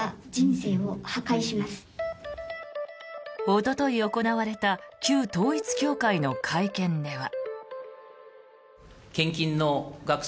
おととい行われた旧統一教会の会見では。